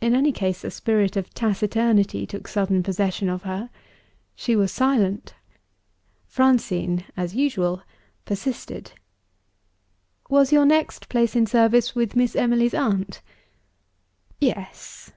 In any case, a spirit of taciturnity took sudden possession of her she was silent. Francine (as usual) persisted. "Was your next place in service with Miss Emily's aunt?" "Yes."